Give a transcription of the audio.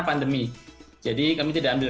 pandemi jadi kami tidak ambil